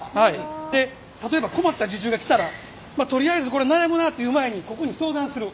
で例えば困った受注が来たらとりあえずこれ悩むなという前にここに相談する。